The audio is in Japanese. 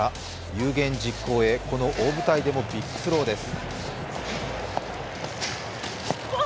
有言実行へ、この大舞台でもビッグスローです。